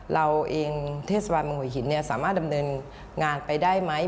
เราเองเทศบาลเมืองหัวหินสามารถดำเนินงานไปได้ไหม